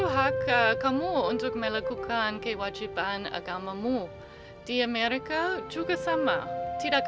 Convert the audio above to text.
jumat itu angka kamu untuk melakukan kewajiban resmagamu di amerika juga sama tidak